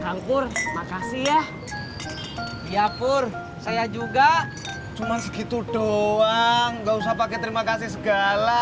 kangkur makasih ya iya pur saya juga cuman segitu doang nggak usah pakai terima kasih segala